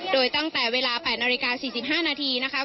โดยตั้งแต่เวลา๘นาฬิกา๔๕นาทีนะคะ